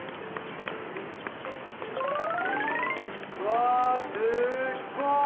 うわすっごい！